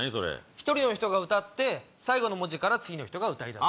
１人が歌って最後の文字から次の人が歌いだす。